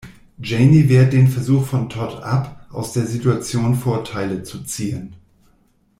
Janie wehrt den Versuch von Tod ab, aus der Situation Vorteile zu ziehen.